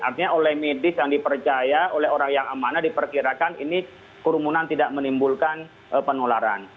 artinya oleh medis yang dipercaya oleh orang yang amanah diperkirakan ini kerumunan tidak menimbulkan penularan